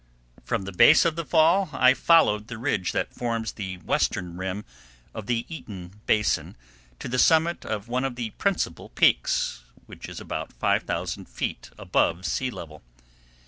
From the base of the fall I followed the ridge that forms the western rim of the Eaton basin to the summit of one of the principal peaks, which is about 5000 feet above sea level.